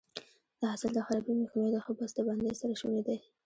د حاصل د خرابي مخنیوی د ښه بسته بندۍ سره شونی دی.